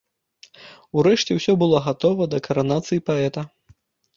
Урэшце ўсё было гатова да каранацыі паэта.